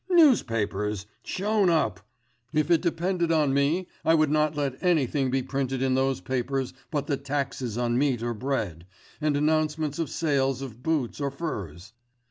Newspapers! Shown up! If it depended on me, I would not let anything be printed in those papers but the taxes on meat or bread, and announcements of sales of boots or furs.